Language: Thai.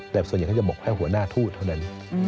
แต่ส่วนใหญ่เขาจะบอกแค่หัวหน้าทูตเท่านั้น